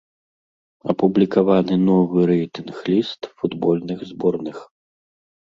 Апублікаваны новы рэйтынг-ліст футбольных зборных.